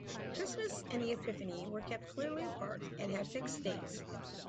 Christmas and the Epiphany were kept clearly apart, and had fixed dates.